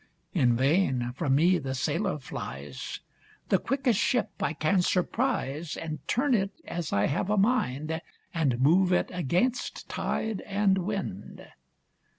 In vain from me the sailor flies, The quickest ship I can surprise, And turn it as I have a mind, And move it against tide and wind.